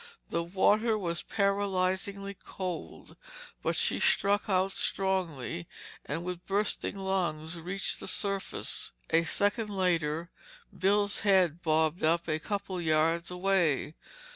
The water was paralyzingly cold, but she struck out strongly and with bursting lungs reached the surface. A second later, Bill's head bobbed up a couple of yards away.